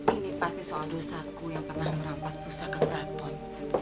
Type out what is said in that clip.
ini pasti soal dosaku yang pernah merampas pusaka keraton